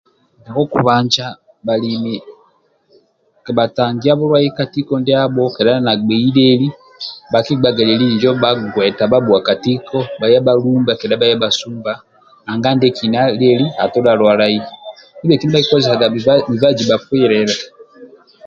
Ndia kokubanja bhalemi kabhatangia ndwali ka tiko ndiabho kedha nagbei lieli bhakigbaga bhagueta bhabhuwa ka tiko bhaya bhalumba kedha bhasumba ndietolo atodha lwalai ndibhetolo bhakikozesaga mubazi bhaya bhafwililia